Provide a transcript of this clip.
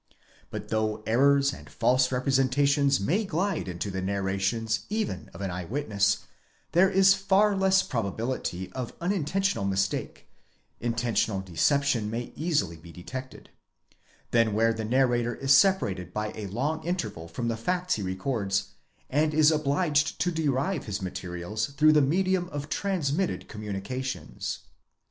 For though errors and false representations may glide into the narrations even of an eye witness, there is far less probability of uninteutional mistake (intentional deception may easily be detected) than where the narrator is separated by a long interval from the 70 INTRODUCTION. § 13. facts he records, and is obliged to derive his materials through the medium of transmitted communications.